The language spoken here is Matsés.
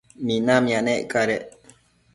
minamia nec cadec